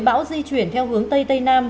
bão di chuyển theo hướng tây tây nam